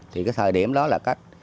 thì cái thời điểm đó là cách